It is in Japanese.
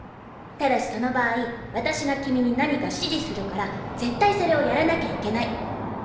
ただしその場合私が君に何か指示するから絶対それをやらなきゃいけない。